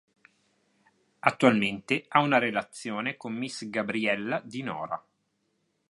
Attualmente ha una relazione con Miss Gabriella di Nora.